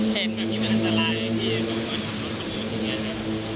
เห็น